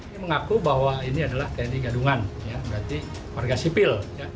dia mengaku bahwa ini adalah gadungan berarti warga sipil